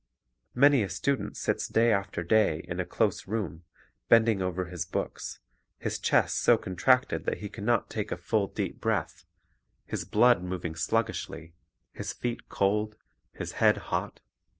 Many a student sits day after day in a close room bending over his books, his chest so con tracted that he can not take a full, deep breath, his blood moving sluggishly, his feet cold, his head hot.